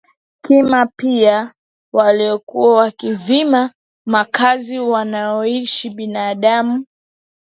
Kima pia walikuwa wakivamia makazi wanayoishi binadamu